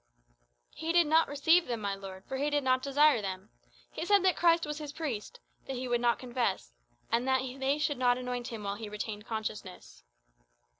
"He did not receive them, my lord, for he did not desire them. He said that Christ was his priest; that he would not confess; and that they should not anoint him while he retained consciousness."